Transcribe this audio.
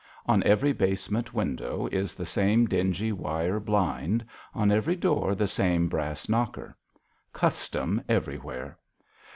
On every basement window is the same dingy wire blind ; on every door the same brass knocker. Custom everywhere